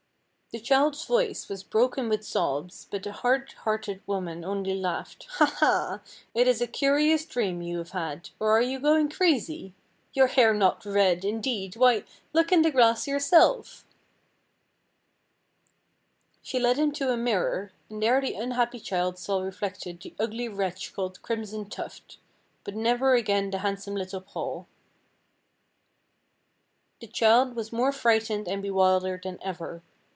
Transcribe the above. The child's voice was broken with sobs, but the hard hearted woman only laughed, "Ha! ha! it is a curious dream you have had, or are you going crazy? your hair not red! indeed! why, look in the glass yourself." She led him to a mirror, and there the unhappy child saw reflected the ugly wretch called Crimson Tuft, but never again the handsome little Paul. The child was more frightened and bewildered than ever.